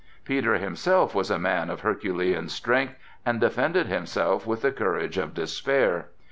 Peter himself was a man of herculean strength, and defended himself with the courage of despair.